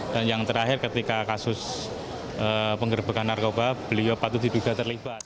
dan yang terakhir ketika kasus pengerbekan narkoba beliau patut diduga terlibat